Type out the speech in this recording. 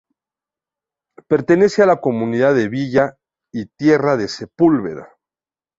Pertenece a la Comunidad de Villa y Tierra de Sepúlveda.